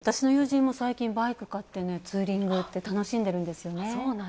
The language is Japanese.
私の友人も最近、バイクを買ってツーリング行って楽しんでるんですよね。